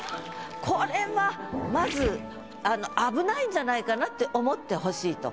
これはまず危ないんじゃないかなって思ってほしいと。